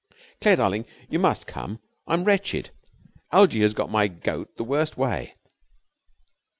Claire, darling, you must come. I'm wretched. Algie has got my goat the worst way.